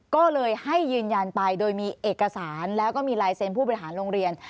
ก็เลยให้ยืนยันไปโดยมีเอกสารแล้วก็มีลายเซ็นต์ผู้บริหารโรงเรียน